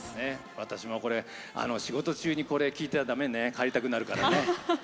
私も仕事中にこれ聴いたら、だめね帰りたくなるからね。